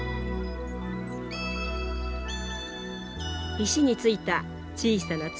石についた小さな粒。